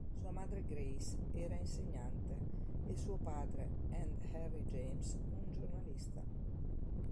Sua madre Grace era insegnante e suo padre and Harry James un giornalista.